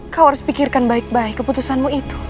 kau harus pikirkan baik baik keputusanmu itu